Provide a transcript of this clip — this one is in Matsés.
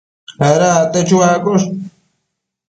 Ada acte chuaccosh